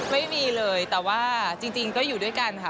ไม่มีเลยแต่ว่าจริงก็อยู่ด้วยกันค่ะ